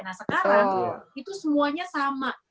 nah sekarang itu semuanya sama